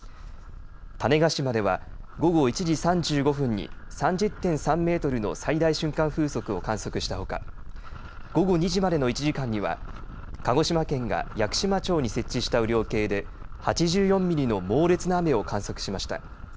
種子島では午後１時３５分に３０．３メートルの最大瞬間風速を観測したほか、午後２時までの１時間には鹿児島県が屋久島町に設置した雨量計で８４ミリの猛烈な雨を観測しました。